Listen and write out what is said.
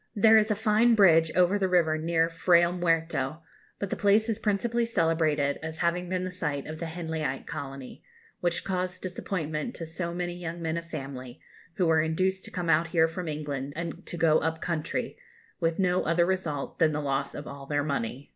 There is a fine bridge over the river near Frayle Muerto, but the place is principally celebrated as having been the site of the Henleyite colony, which caused disappointment to so many young men of family, who were induced to come out here from England and to go up country, with no other result than the loss of all their money.